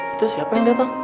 itu siapa yang datang